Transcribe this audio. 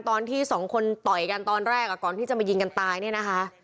ตอนที่สองคนต่อยกันตอนแรกก่อนที่จะมายิงกันตายเนี่ยนะคะ